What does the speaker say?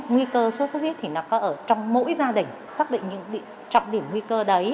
nguy cơ sốt xuất huyết có ở trong mỗi gia đình xác định những trọng điểm nguy cơ đấy